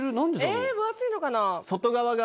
えぇ分厚いのかな？